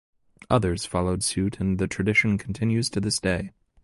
Others followed suit and the tradition continues to this day.